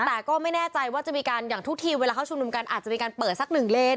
แต่ก็ไม่แน่ใจว่าจะมีการอย่างทุกทีเวลาเขาชุมนุมกันอาจจะมีการเปิดสักหนึ่งเลน